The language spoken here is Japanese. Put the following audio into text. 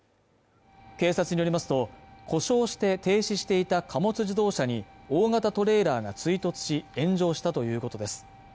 警察によりますと故障して停止していた貨物自動車に大型トレーラーが追突し炎上したということです